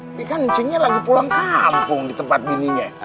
tapi kan cingnya lagi pulang kampung di tempat bininya